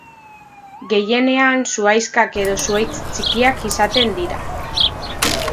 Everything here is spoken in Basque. Gehienean zuhaixkak edo zuhaitz txikiak izaten dira.